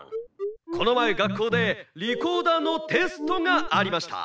このまえがっこうでリコーダーのテストがありました。